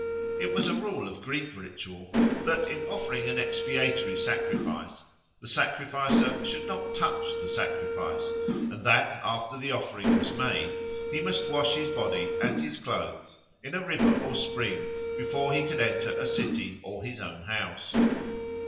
It was a rule of Greek ritual that, in offering an expiatory sacrifice, the sacrificer should not touch the sacrifice, and that, after the offering was made, he must wash his body and his clothes in a river or spring before he could enter a city or his own house.